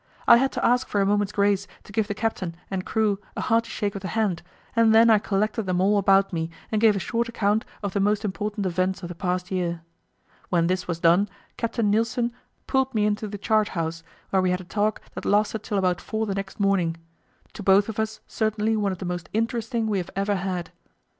I had to ask for a moment's grace to give the captain and crew a hearty shake of the hand, and then I collected them all about me and gave a short account of the most important events of the past year. When this was done, Captain Nilsen pulled me into the chart house, where we had a talk that lasted till about four the next morning to both of us certainly one of the most interesting we have ever had.